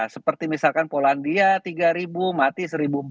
seperti misalkan polandia tiga ribu mati satu empat ratus